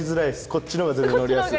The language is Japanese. こっちのほうが全然乗りやすい。